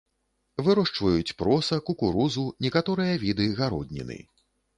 Вырошчваюць проса, кукурузу, некаторыя віды гародніны.